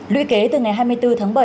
lưu kế từ ngày hai mươi bốn tháng bảy